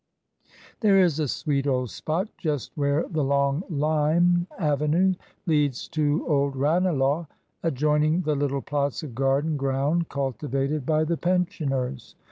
There is a sweet old spot just where the long Lime avenue leads to old Ranelagh, adjoining the little plots of garden ground cultivated by the pensioners.